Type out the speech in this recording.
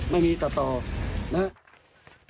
ไม่มีตัวต่อนะฮะ